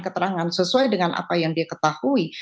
keterangan sesuai dengan apa yang dia ketahui